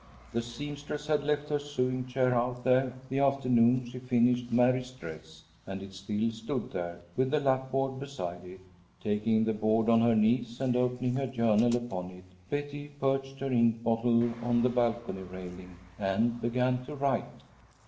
The seamstress had left her sewing chair out there the afternoon she finished Mary's dress, and it still stood there, with the lap board beside it. Taking the board on her knees, and opening her journal upon it, Betty perched her ink bottle on the balcony railing and began to write.